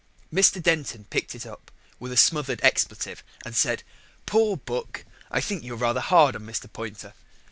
Mr. Denton picked it up with a smothered expletive and said, "Poor book! I think you're rather hard on Mr. Poynter."